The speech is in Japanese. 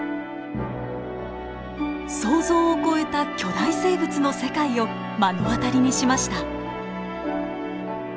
想像を超えた巨大生物の世界を目の当たりにしました。